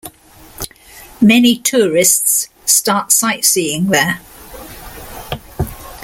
Many tourists start sightseeing there.